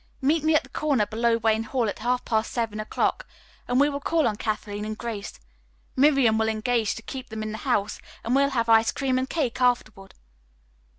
Meet me at the corner below Wayne Hall at half past seven o'clock and we will call on Kathleen and Grace. Miriam will engage to keep them in the house and we'll have ice cream and cake afterward."